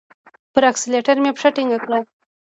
پر اکسلېټر مي پښه ټینګه کړه !